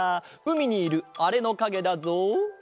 うみにいるあれのかげだぞ。